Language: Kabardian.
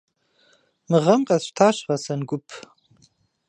Мы гъэм къэсщтащ гъэсэн гуп.